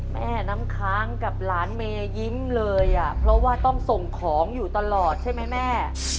แม่น้ำค้างกับหลานเมยยิ้มเลยอ่ะเพราะว่าต้องส่งของอยู่ตลอดใช่ไหมแม่